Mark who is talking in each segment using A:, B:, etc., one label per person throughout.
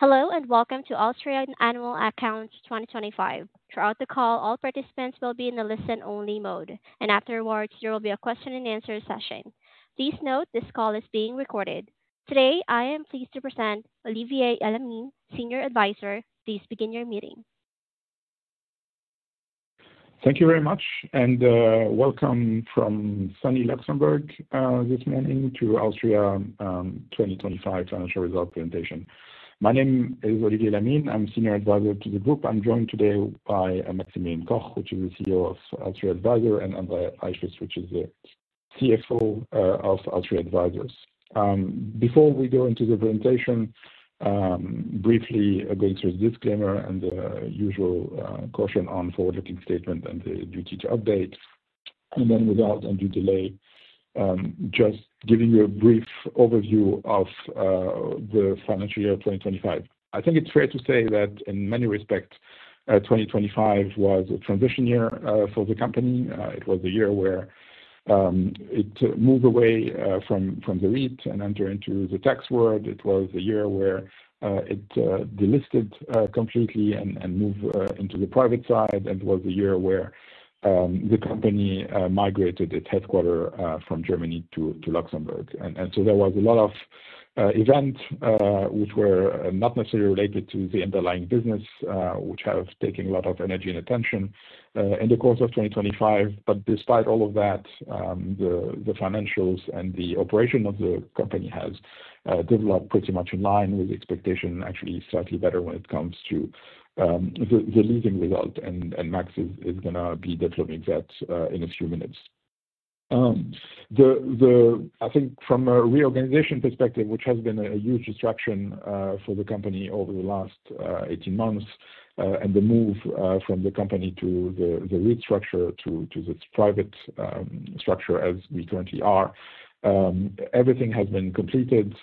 A: Hello and welcome to alstria Annual Accounts 2025. Throughout the call, all participants will be in the listen-only mode, and afterwards there will be a question and answer session. Please note this call is being recorded. Today I am pleased to present Olivier Elamine, Senior Advisor. Please begin your meeting.
B: Thank you very much and welcome from sunny Luxembourg this morning to alstria 2025 financial result presentation. My name is Olivier Elamine. I'm Senior Advisor to the group. I'm joined today by Maximilian Koch, which is the CEO of alstria advisors, and Andreas Reiswich, which is the CFO of alstria advisors. Before we go into the presentation, briefly go through the disclaimer and usual caution on forward-looking statement and the duty to update. Then without any delay, just giving you a brief overview of the financial year 2025. I think it's fair to say that in many respects 2025 was a transition year for the company. It was a year where it moved away from the REIT and enter into the tax world. It was a year where it delisted completely and moved into the private side. It was a year where the company migrated its headquarters from Germany to Luxembourg. There was a lot of events which were not necessarily related to the underlying business which have taken a lot of energy and attention in the course of 2025. Despite all of that, the financials and the operation of the company has developed pretty much in line with expectation, actually slightly better when it comes to the leasing result. Max is gonna be detailing that in a few minutes. I think from a reorganization perspective, which has been a huge distraction for the company over the last 18 months, and the move from the company to the REIT structure to its private structure as we currently are, everything has been completed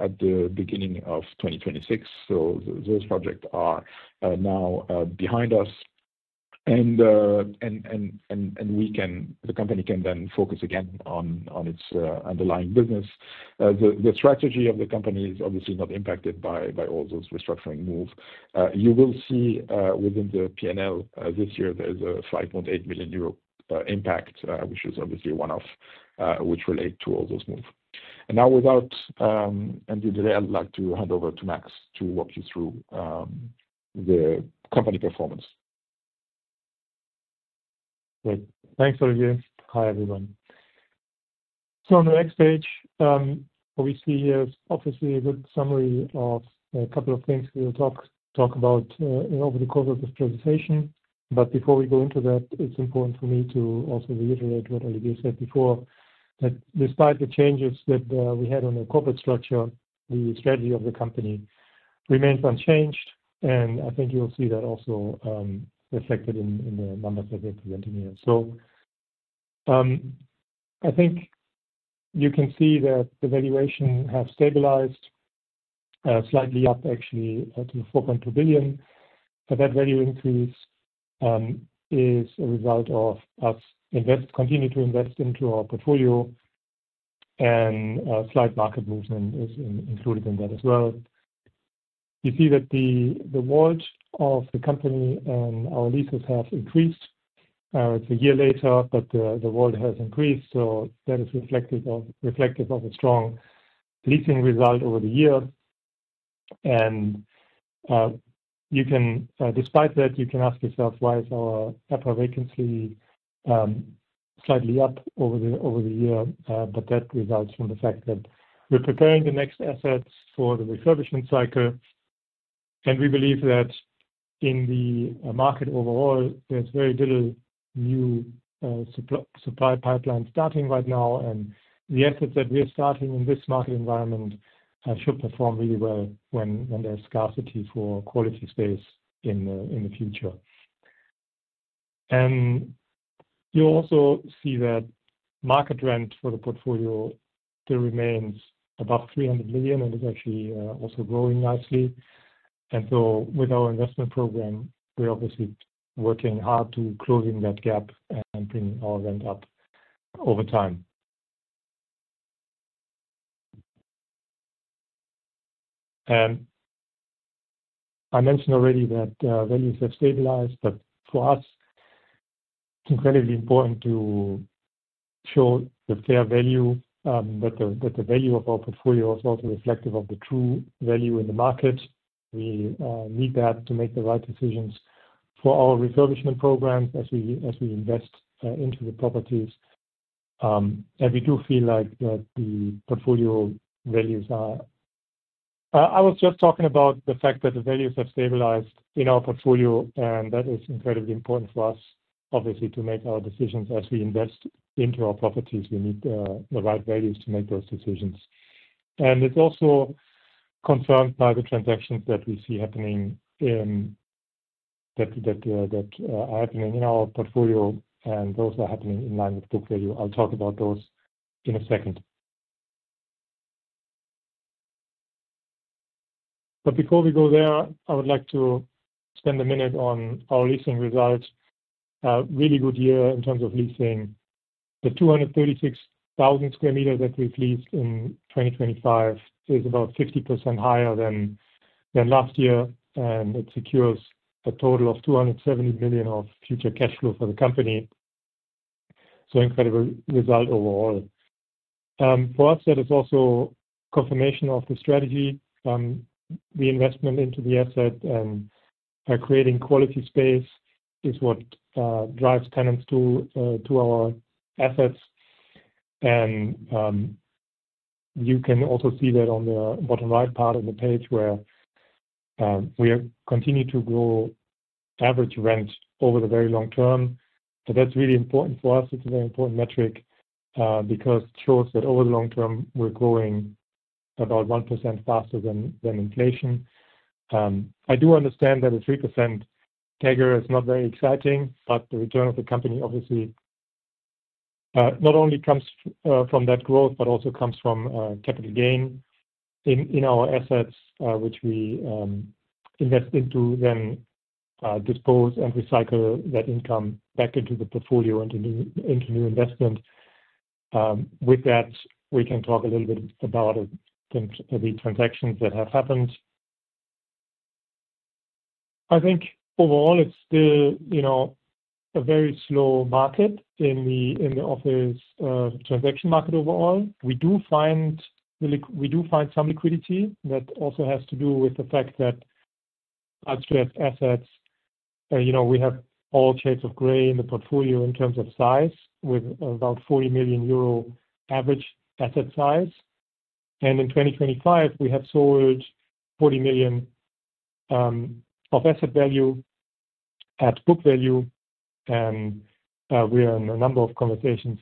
B: at the beginning of 2026. Those projects are now behind us and the company can then focus again on its underlying business. The strategy of the company is obviously not impacted by all those restructuring moves. You will see within the PNL this year there's a 5.8 million euro impact, which is obviously one-off which relates to all those moves. Now without any delay, I'd like to hand over to Max to walk you through the company performance.
C: Great. Thanks, Olivier. Hi, everyone. On the next page, we see here obviously a good summary of a couple of things we'll talk about over the course of this presentation. Before we go into that, it's important for me to also reiterate what Olivier said before, that despite the changes that we had on the corporate structure, the strategy of the company remains unchanged. I think you'll see that also reflected in the numbers that we're presenting here. I think you can see that the valuation has stabilized, slightly up actually to 4.2 billion. That value increase is a result of us continuing to invest into our portfolio and a slight market movement is included in that as well. You see that the worth of the company and our leases have increased. It's a year later, but the worth has increased, so that is reflective of a strong leasing result over the year. Despite that, you can ask yourself why is our EPRA vacancy slightly up over the year? That results from the fact that we're preparing the next assets for the refurbishment cycle. We believe that in the market overall, there's very little new supply pipeline starting right now. The assets that we are starting in this market environment should perform really well when there's scarcity for quality space in the future. You also see that market rent for the portfolio still remains above 300 million and is actually also growing nicely. With our investment program, we're obviously working hard to closing that gap and bringing our rent up over time. I mentioned already that values have stabilized, but for us it's incredibly important to show the fair value that the value of our portfolio is also reflective of the true value in the market. We need that to make the right decisions for our refurbishment programs as we invest into the properties. I was just talking about the fact that the values have stabilized in our portfolio, and that is incredibly important for us obviously to make our decisions as we invest into our properties. We need the right values to make those decisions. It's also confirmed by the transactions that we see happening in our portfolio and those are happening in line with book value. I'll talk about those in a second. Before we go there, I would like to spend a minute on our leasing results. A really good year in terms of leasing. The 236,000 sq m that we've leased in 2025 is about 50% higher than last year, and it secures a total of 270 million of future cash flow for the company. Incredible result overall. For us, that is also confirmation of the strategy. The investment into the asset and by creating quality space is what drives tenants to our assets. You can also see that on the bottom right part of the page where we have continued to grow average rent over the very long term. That's really important for us. It's a very important metric because it shows that over the long term, we're growing about 1% faster than inflation. I do understand that a 3% CAGR is not very exciting, but the return of the company obviously not only comes from that growth, but also comes from capital gain in our assets, which we invest into then dispose and recycle that income back into the portfolio, into new investment. With that, we can talk a little bit about the transactions that have happened. I think overall it's still, you know, a very slow market in the office transaction market overall. We do find some liquidity. That also has to do with the fact that alstria's assets, you know, we have all shades of gray in the portfolio in terms of size,, with about 40 million euro average asset size. In 2025, we have sold 40 million of asset value at book value. We are in a number of conversations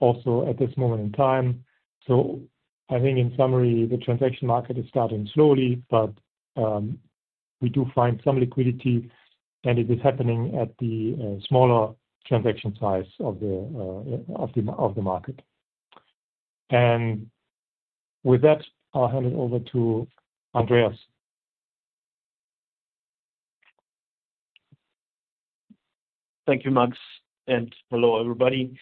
C: also at this moment in time. I think in summary, the transaction market is starting slowly, but we do find some liquidity, and it is happening at the smaller transaction size of the market. With that, I'll hand it over to Andreas.
D: Thank you, Max, and hello, everybody.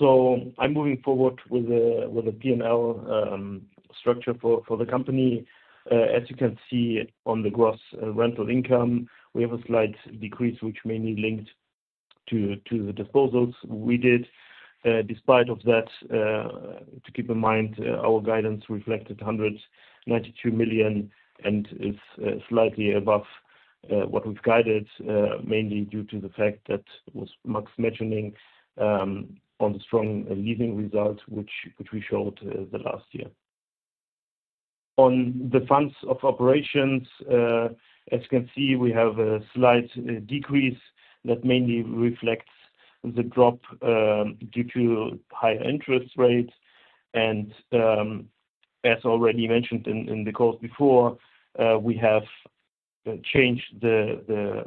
D: I'm moving forward with the P&L structure for the company. As you can see on the gross rental income, we have a slight decrease, which mainly linked to the disposals we did. Despite that, to keep in mind, our guidance reflected 192 million, and is slightly above what we've guided, mainly due to the fact that as Max mentioned on the strong leasing results which we showed last year. On the funds from operations, as you can see, we have a slight decrease that mainly reflects the drop due to higher interest rates. As already mentioned in the calls before, we have changed the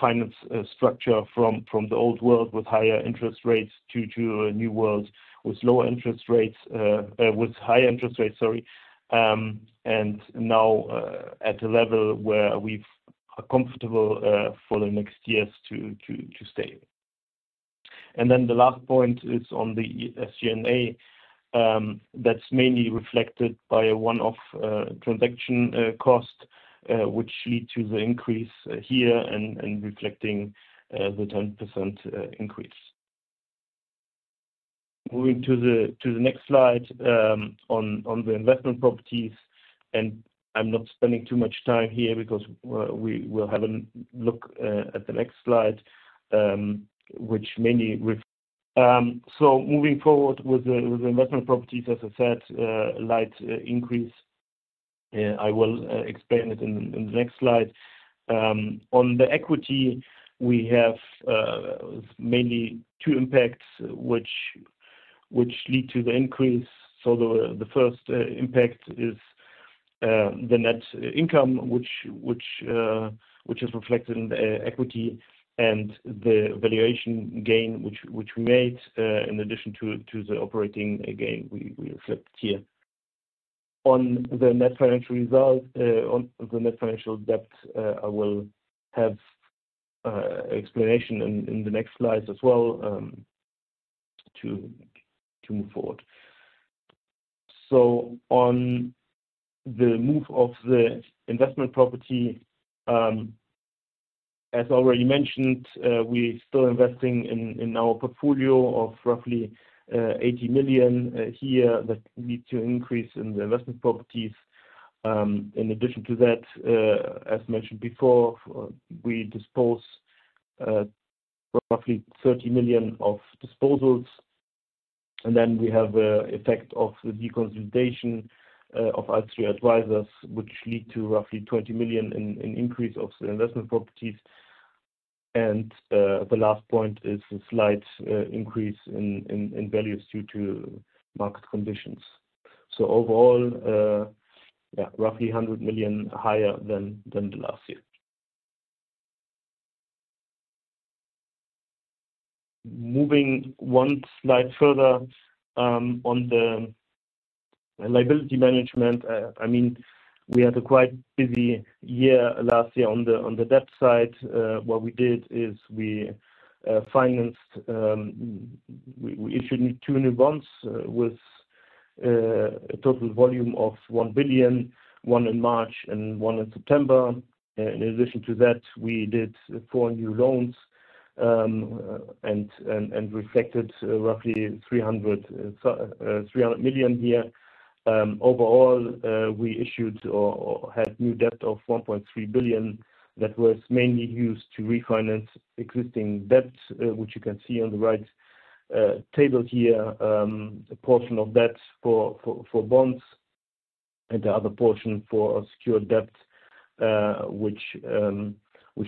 D: finance structure from the old world with higher interest rates to a new world with lower interest rates, with high interest rates, sorry. Now at a level where we are comfortable for the next years to stay. Then the last point is on the G&A. That's mainly reflected by a one-off transaction cost which lead to the increase here and reflecting the 10% increase. Moving to the next slide on the investment properties. I'm not spending too much time here because we'll have a look at the next slide. Moving forward with the investment properties, as I said, light increase. I will explain it in the next slide. On the equity, we have mainly two impacts which lead to the increase. The first impact is the net income which is reflected in the equity and the valuation gain which we made in addition to the operating gain we reflect here. On the net financial debt, I will have explanation in the next slides as well to move forward. On the move of the investment property, as already mentioned, we still investing in our portfolio of roughly 80 million here that lead to increase in the investment properties. In addition to that, as mentioned before, we dispose roughly 30 million of disposals. We have the effect of the deconsolidation of alstria advisors, which led to roughly 20 million in an increase of the investment properties. The last point is a slight increase in values due to market conditions. Overall, roughly 100 million higher than the last year. Moving one slide further, on the liability management, I mean, we had a quite busy year last year on the debt side. What we did is we financed, we issued 2 new bonds with a total volume of 1 billion, 1 in March and 1 in September. In addition to that, we did 4 new loans and refinanced roughly 300 million here. Overall, we issued or had new debt of 1.3 billion that was mainly used to refinance existing debts, which you can see on the right table here. A portion of debts for bonds and the other portion for secured debts, which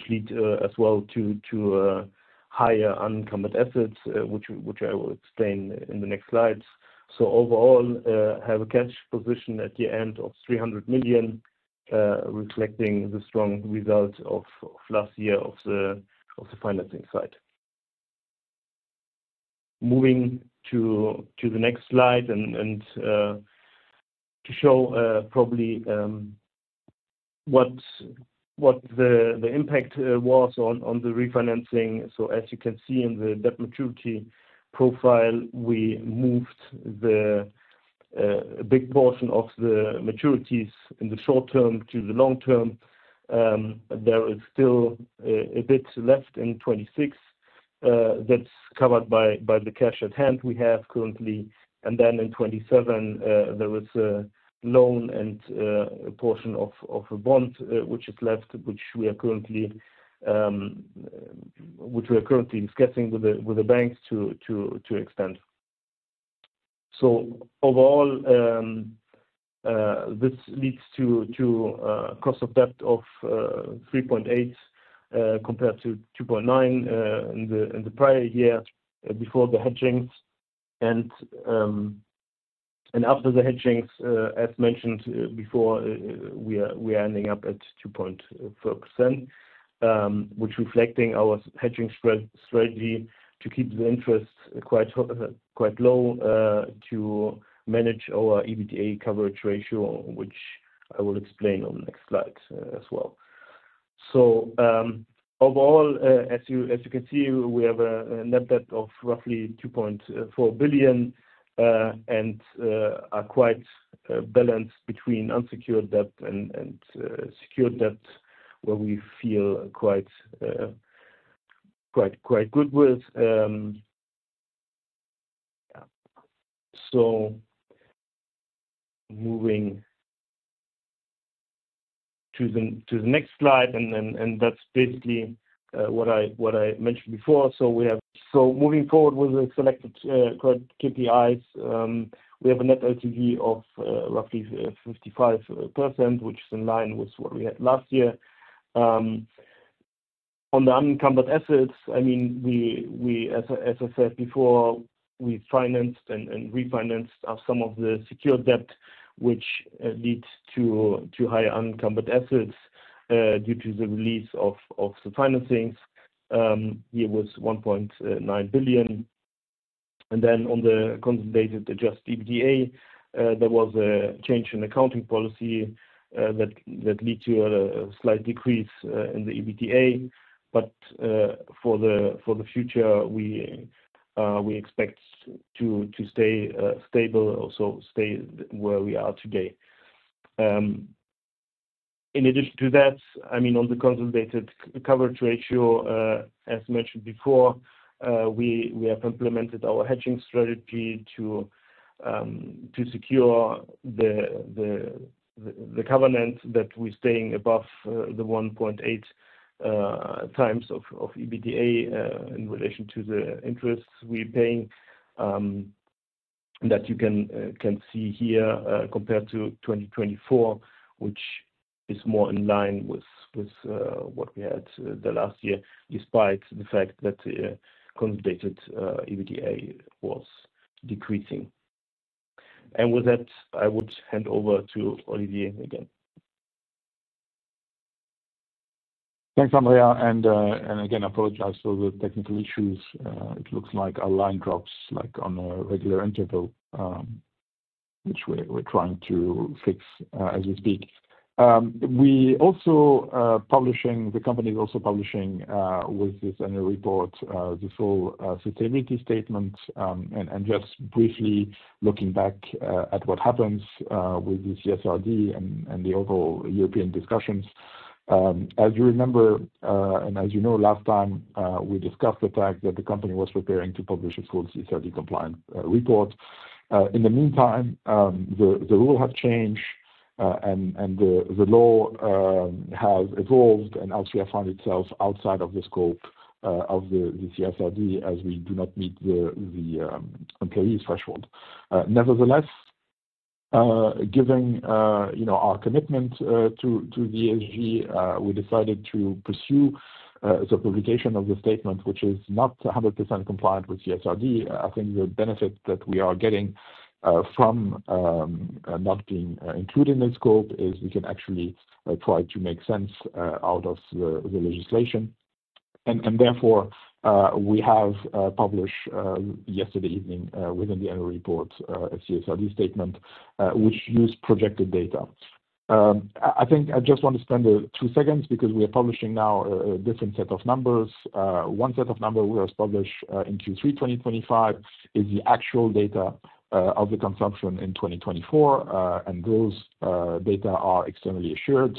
D: lead as well to higher unencumbered assets, which I will explain in the next slides. Overall, we have a cash position at the end of 300 million, reflecting the strong results of last year of the financing side. Moving to the next slide and to show probably what the impact was on the refinancing. As you can see in the debt maturity profile, we moved a big portion of the maturities in the short term to the long term. There is still a bit left in 2026, that's covered by the cash at hand we have currently. Then in 2027, there was a loan and a portion of a bond which is left, which we are currently discussing with the banks to extend. Overall, this leads to cost of debt of 3.8% compared to 2.9% in the prior year before the hedging. After the hedging, as mentioned before, we are ending up at 2.4%, which reflecting our hedging spread strategy to keep the interest quite low to manage our EBITDA coverage ratio, which I will explain on the next slides as well. Overall, as you can see, we have a net debt of roughly 2.4 billion, and are quite balanced between unsecured debt and secured debt, where we feel quite good with. Moving to the next slide, and that's basically what I mentioned before. We have... Moving forward with the selected credit KPIs, we have a Net LTV of roughly 55%, which is in line with what we had last year. On the unencumbered assets, I mean, we as I said before, we financed and refinanced some of the secured debt, which leads to higher unencumbered assets due to the release of the financings. Here was 1.9 billion. On the consolidated Adjusted EBITDA, there was a change in accounting policy that led to a slight decrease in the EBITDA. For the future, we expect to stay stable, also stay where we are today. In addition to that, I mean, on the consolidated coverage ratio, as mentioned before, we have implemented our hedging strategy to secure the covenant that we're staying above the 1.8 times of EBITDA in relation to the interests we're paying, that you can see here, compared to 2024, which is more in line with what we had the last year, despite the fact that consolidated EBITDA was decreasing. With that, I would hand over to Olivier again.
B: Thanks, Andrea. Again, apologize for the technical issues. It looks like our line drops like on a regular interval, which we're trying to fix as we speak. The company is also publishing with this annual report the full sustainability statement. Just briefly looking back at what happens with the CSRD and the overall European discussions. As you remember and as you know, last time we discussed the fact that the company was preparing to publish a full CSRD compliant report. In the meantime, the rules have changed, and the law has evolved, and alstria found itself outside of the scope of the CSRD, as we do not meet the employee threshold. Nevertheless, given you know our commitment to the ESG, we decided to pursue the publication of the statement, which is not 100% compliant with CSRD. I think the benefit that we are getting from not being included in scope is we can actually try to make sense out of the legislation. Therefore, we have published yesterday evening within the annual report a CSRD statement which used projected data. I think I just want to spend two seconds because we are publishing now a different set of numbers. One set of numbers we have published in Q3 2025 is the actual data of the consumption in 2024. Those data are externally assured.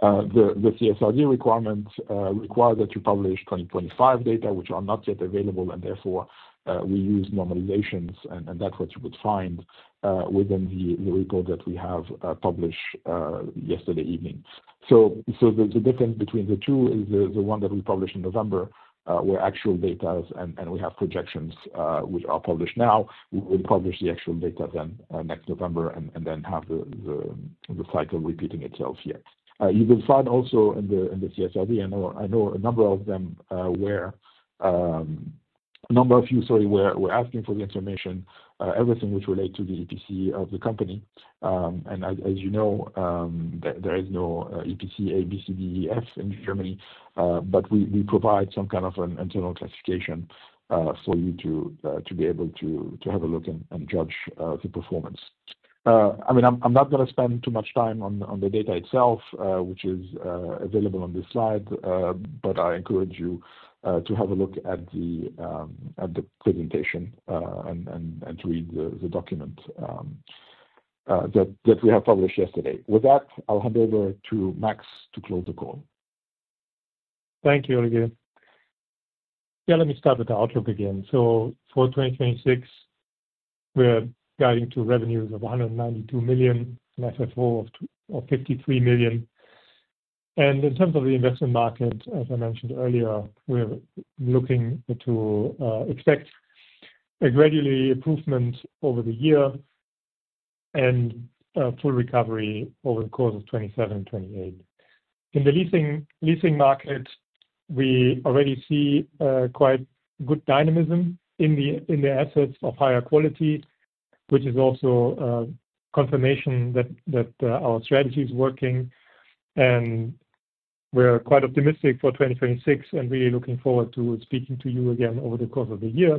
B: The CSRD requirement requires that you publish 2025 data which are not yet available, and therefore, we use normalizations, and that's what you would find within the report that we have published yesterday evening. The difference between the two is the one that we published in November were actual data and we have projections which are published now. We will publish the actual data then next November and then have the cycle repeating itself here. You will find also in the CSRD. I know a number of you were asking for the information, everything which relate to the EPC of the company. As you know, there is no EPC A, B, C, D, E, F in Germany, but we provide some kind of an internal classification for you to be able to have a look and judge the performance. I mean, I'm not gonna spend too much time on the data itself, which is available on this slide. But I encourage you to have a look at the presentation and to read the document that we have published yesterday. With that, I'll hand over to Max to close the call.
C: Thank you, Olivier. Yeah, let me start with the outlook again. For 2026, we're guiding to revenues of 192 million and FFO of 53 million. In terms of the investment market, as I mentioned earlier, we're looking to expect a gradual improvement over the year and full recovery over the course of 2027 and 2028. In the leasing market, we already see quite good dynamism in the assets of higher quality, which is also confirmation that our strategy is working. We're quite optimistic for 2026 and really looking forward to speaking to you again over the course of the year.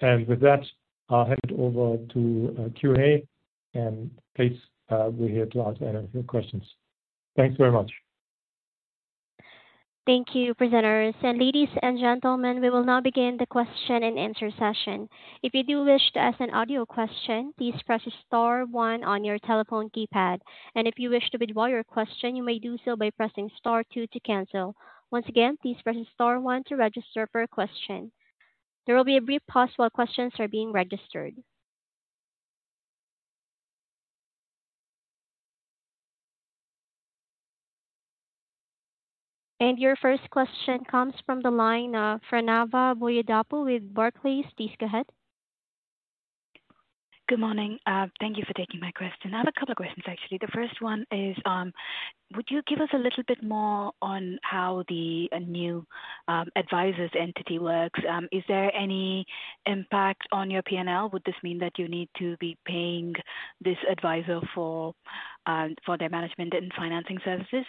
C: With that, I'll hand over to Q&A, and please, we're here to answer any of your questions. Thanks very much.
A: Thank you, presenters. Ladies and gentlemen, we will now begin the question and answer session. If you do wish to ask an audio question, please press star one on your telephone keypad. If you wish to withdraw your question, you may do so by pressing star two to cancel. Once again, please press star one to register for a question. There will be a brief pause while questions are being registered. Your first question comes from the line of Pranava Boyidapu with Barclays. Please go ahead.
E: Good morning. Thank you for taking my question. I have a couple of questions, actually. The first one is, would you give us a little bit more on how the new advisor's entity works? Is there any impact on your P&L? Would this mean that you need to be paying this advisor for their management and financing services?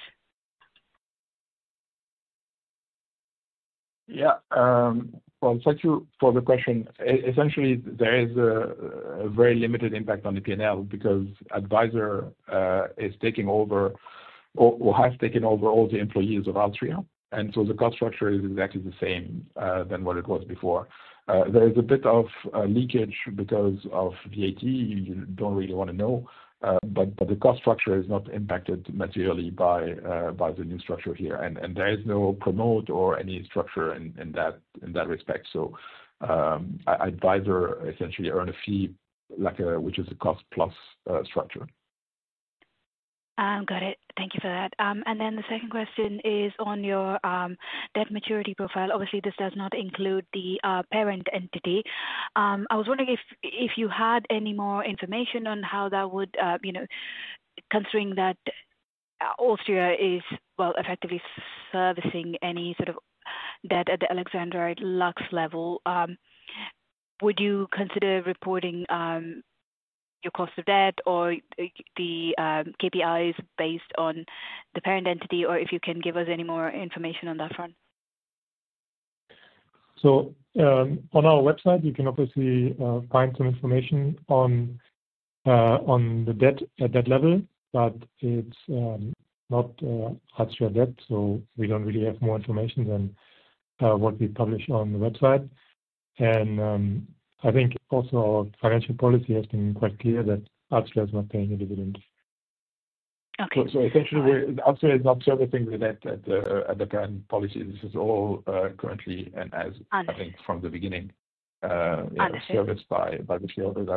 B: Thank you for the question. Essentially, there is a very limited impact on the P&L because Alstria advisors is taking over or has taken over all the employees of alstria. The cost structure is exactly the same than what it was before. There is a bit of leakage because of VAT you don't really wanna know. But the cost structure is not impacted materially by the new structure here. There is no promote or any structure in that respect. Alstria advisors essentially earn a fee like which is a cost-plus structure.
E: Got it. Thank you for that. The second question is on your debt maturity profile. Obviously, this does not include the parent entity. I was wondering if you had any more information on how that would, you know, considering that alstria is, well, effectively servicing any sort of debt at the Alexandrite Lake Lux level, would you consider reporting your cost of debt or the KPIs based on the parent entity, or if you can give us any more information on that front?
C: On our website, you can obviously find some information on the debt at that level, but it's not alstria debt, so we don't really have more information than what we publish on the website. I think also our financial policy has been quite clear that alstria is not paying a dividend.
E: Okay.
C: Essentially, alstria is not servicing the debt at the parent level. This is all currently and as-
E: Understood.
C: I think from the beginning, you know, serviced by the shareholder.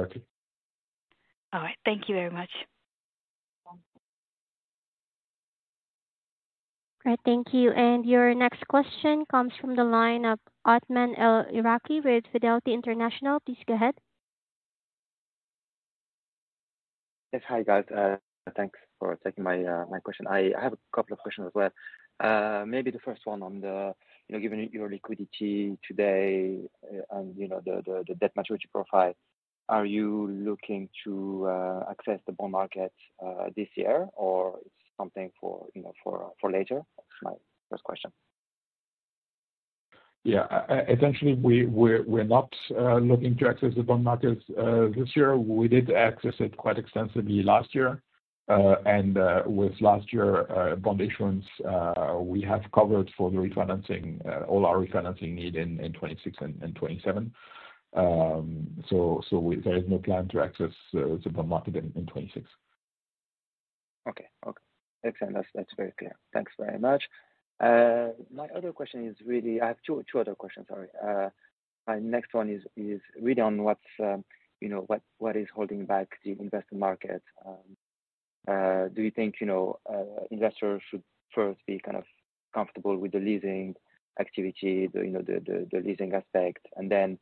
E: All right. Thank you very much.
A: All right. Thank you. Your next question comes from the line of Othman El Iraki with Fidelity International. Please go ahead.
F: Yes. Hi, guys. Thanks for taking my question. I have a couple of questions as well. Maybe the first one. You know, given your liquidity today, and you know, the debt maturity profile, are you looking to access the bond market this year, or it's something for you know, for later? That's my first question.
B: Yeah. Essentially, we're not looking to access the bond markets this year. We did access it quite extensively last year. With last year's bond issuance, we have covered for the refinancing all our refinancing need in 2026 and 2027. There is no plan to access the bond market in 2026.
F: Okay. Excellent. That's very clear. Thanks very much. My other question is really. I have two other questions, sorry. My next one is really on what's you know what is holding back the investment market. Do you think, you know, investors should first be kind of comfortable with the leasing activity, the you know the leasing aspect, and then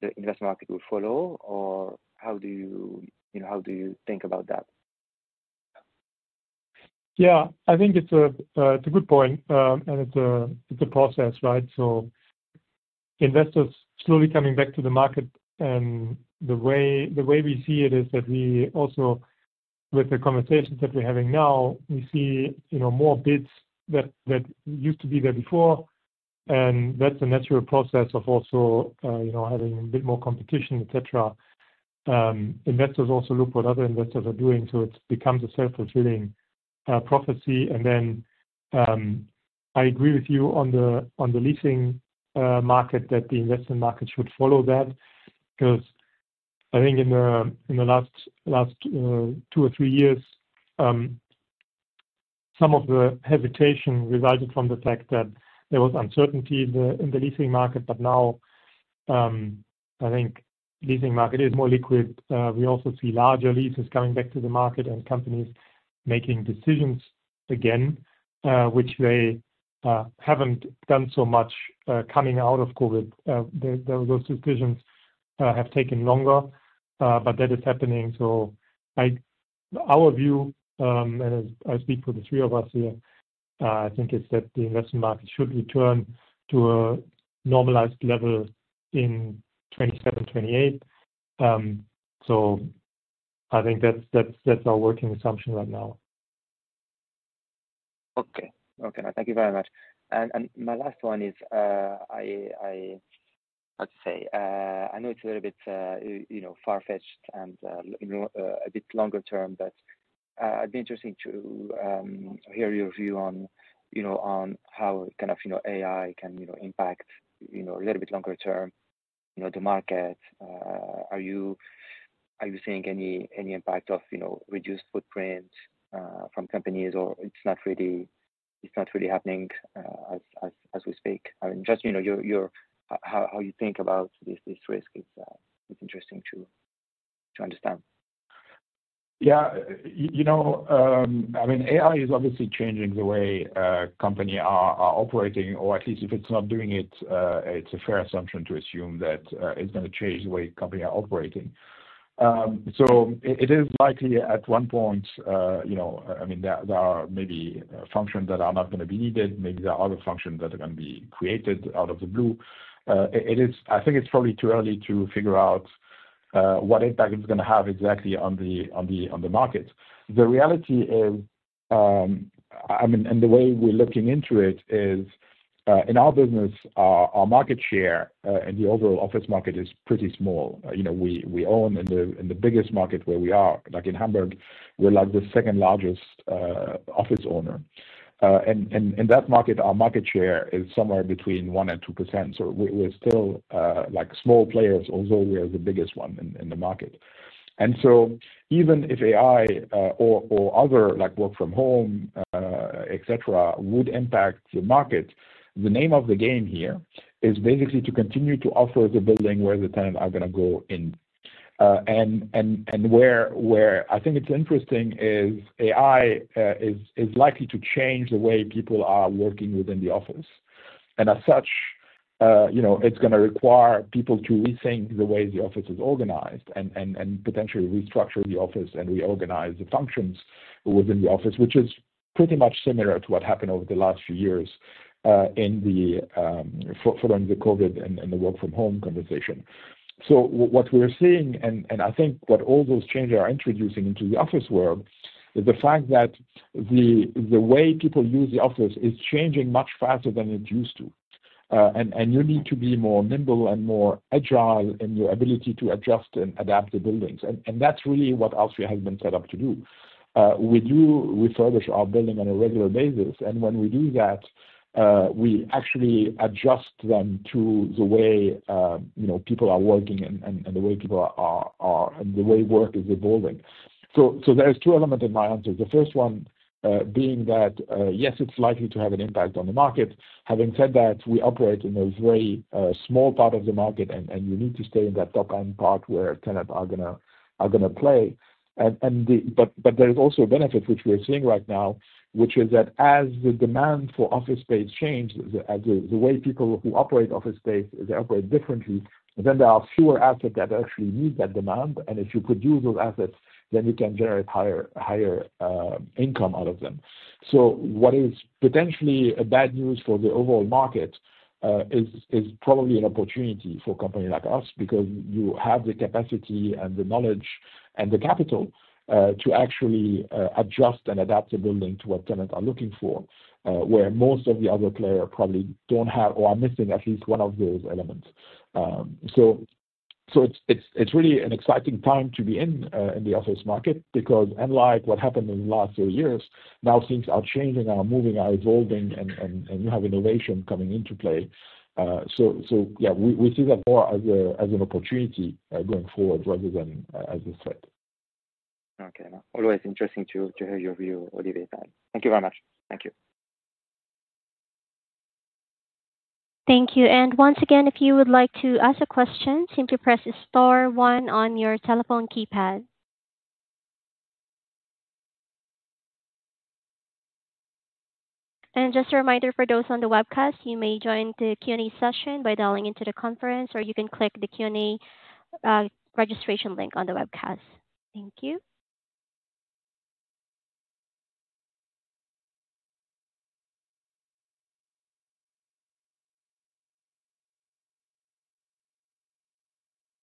F: the investment market will follow? Or how do you know, how do you think about that?
B: Yeah, I think it's a good point. It's a process, right? Investors slowly coming back to the market, and the way we see it is that we also, with the conversations that we're having now, we see, you know, more bids that used to be there before. That's a natural process, also, you know, having a bit more competition, et cetera. Investors also look what other investors are doing, it becomes a self-fulfilling prophecy. I agree with you on the leasing market that the investment market should follow that, 'cause I think in the last two or three years, some of the hesitation resulted from the fact that there was uncertainty in the leasing market, but now I think leasing market is more liquid. We also see larger leases coming back to the market and companies making decisions again, which they haven't done so much, coming out of COVID. Those decisions have taken longer, but that is happening. Our view, and as I speak for the three of us here, I think it's that the investment market should return to a normalized level in 2027, 2028. I think that's our working assumption right now.
F: Thank you very much. My last one is I know it's a little bit you know far-fetched and you know a bit longer term, but I'd be interested to hear your view on you know on how kind of you know AI can you know impact you know a little bit longer term you know the market. Are you seeing any impact of you know reduced footprint from companies or it's not really happening as we speak? I mean, just you know how you think about this risk is interesting to understand.
B: Yeah. You know, I mean, AI is obviously changing the way companies are operating, or at least if it's not doing it's a fair assumption to assume that it's gonna change the way companies are operating. It is likely at one point, you know, I mean, there are maybe functions that are not gonna be needed. Maybe there are other functions that are gonna be created out of the blue. I think it's probably too early to figure out what impact it's gonna have exactly on the market. The reality is, I mean, the way we're looking into it is, in our business, our market share in the overall office market is pretty small. You know, we own in the biggest market where we are. Like in Hamburg, we're like the second largest office owner. In that market, our market share is somewhere between 1% and 2%. We're still like small players, although we are the biggest one in the market. Even if AI or other like work from home, etcetera, would impact the market, the name of the game here is basically to continue to offer the building where the tenants are gonna go in and where I think it's interesting is AI is likely to change the way people are working within the office. As such, you know, it's gonna require people to rethink the way the office is organized and potentially restructure the office and reorganize the functions within the office, which is pretty much similar to what happened over the last few years, following the COVID and the work from home conversation. What we're seeing and I think what all those changes are introducing into the office world is the fact that the way people use the office is changing much faster than it used to. You need to be more nimble and more agile in your ability to adjust and adapt the buildings. That's really what alstria has been set up to do. We do refurbish our building on a regular basis, and when we do that, we actually adjust them to the way, you know, people are working and the way people are and the way work is evolving. There's two elements in my answer. The first one being that yes, it's likely to have an impact on the market. Having said that, we operate in a very small part of the market and you need to stay in that top-end part where tenants are gonna play. There's also a benefit which we are seeing right now, which is that as the demand for office space change, the way people who operate office space, they operate differently, then there are fewer assets that actually meet that demand. If you produce those assets, then you can generate higher income out of them. What is potentially bad news for the overall market is probably an opportunity for a company like us, because you have the capacity and the knowledge and the capital to actually adjust and adapt the building to what tenants are looking for, where most of the other players probably don't have or are missing at least one of those elements. It's really an exciting time to be in the office market because unlike what happened in the last three years, now things are changing, are moving, are evolving, and you have innovation coming into play. We see that more as an opportunity going forward rather than as a threat.
F: Okay. Always interesting to hear your view, Olivier. Thank you very much. Thank you.
A: Thank you. Once again, if you would like to ask a question, simply press star one on your telephone keypad. Just a reminder for those on the webcast, you may join the Q&A session by dialing into the conference, or you can click the Q&A registration link on the webcast. Thank you.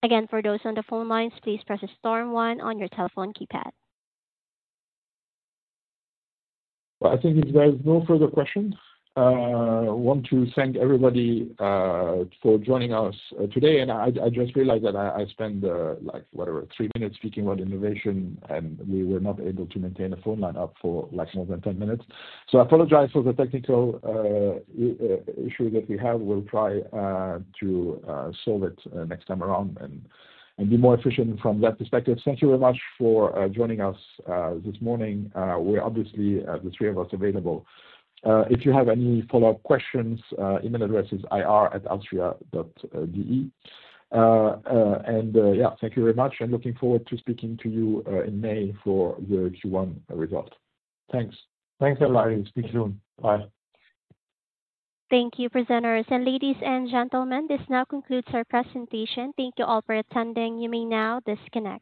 A: Again, for those on the phone lines, please press star one on your telephone keypad.
B: I think if there's no further questions, I want to thank everybody for joining us today. I just realized that I spent, like, whatever, three minutes speaking about innovation, and we were not able to maintain a phone line up for, like, more than 10 minutes. I apologize for the technical issue that we have. We'll try to solve it next time around and be more efficient from that perspective. Thank you very much for joining us this morning. We're obviously the three of us available. If you have any follow-up questions, email address is ir@alstria.de. Yeah, thank you very much, and looking forward to speaking to you in May for the Q1 result. Thanks, everybody. Speak soon. Bye.
A: Thank you, presenters. Ladies and gentlemen, this now concludes our presentation. Thank you all for attending. You may now disconnect.